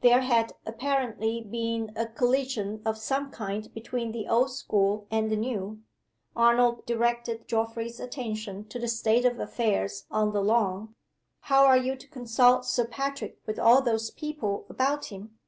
There had apparently been a collision of some kind between the old school and the new. Arnold directed Geoffrey's attention to the state of affairs on the lawn. "How are you to consult Sir Patrick with all those people about him?"